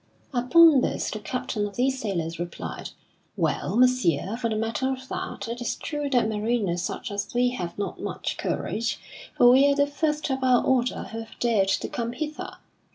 Upon this the captain of these sailors replied: "Well, Messire, for the matter of that, it is true that mariners such as we have not much courage, for we are the first of our order who have dared to come hither.